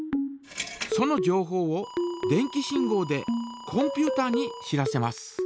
そのじょうほうを電気信号でコンピュータに知らせます。